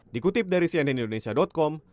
dikutip dari cnn indonesia com